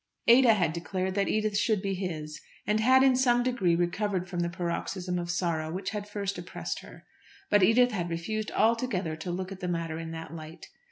Ada had declared that Edith should be his, and had in some degree recovered from the paroxysm of sorrow which had first oppressed her. But Edith had refused altogether to look at the matter in that light.